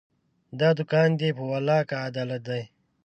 دا دوکان دی، په والله که عدالت دی